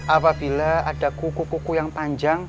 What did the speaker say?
apabila ada kuku kuku yang panjang